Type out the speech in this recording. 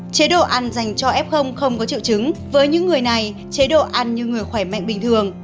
chế độ ăn dành cho f không có triệu chứng với những người này chế độ ăn như người khỏe mạnh bình thường